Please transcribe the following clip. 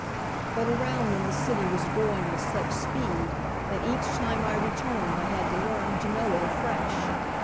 But around them the city was growing with such speed that each time I returned I had to learn to know it afresh.